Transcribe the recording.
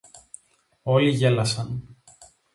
Όλοι γέλασαν